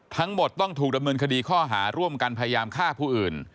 ทั้งหมดต้องถูกดำเนินคดีข้อหาร่วมกันพยายามฆ่าผู้อื่น